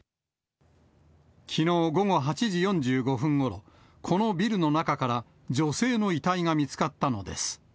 きのう午後８時４５分ごろ、このビルの中から女性の遺体が見つかったのです。